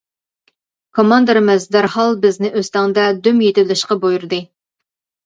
كوماندىرىمىز دەرھال بىزنى ئۆستەڭدە دۈم يېتىۋېلىشقا بۇيرۇدى.